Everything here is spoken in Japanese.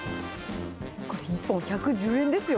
これ、１本１１０円ですよ。